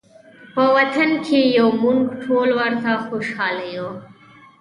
په وطن کې یو مونږ ټول ورته خوشحاله